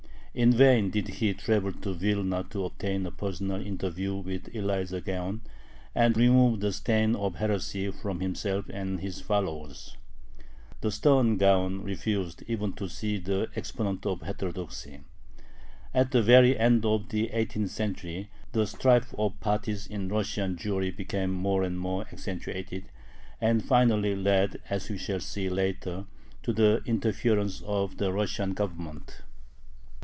In vain did he travel to Vilna to obtain a personal interview with Elijah Gaon and remove the stain of heresy from himself and his followers. The stern Gaon refused even to see the exponent of heterodoxy. At the very end of the eighteenth century the strife of parties in Russian Jewry became more and more accentuated, and finally led, as we shall see later, to the interference of the Russian Government.